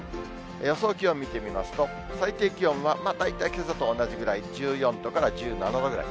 予想気温見てみますと、最低気温は、大体けさと同じぐらい、１４度から１７度ぐらい。